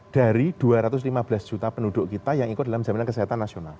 dari dua ratus lima belas juta penduduk kita yang ikut dalam jaminan kesehatan nasional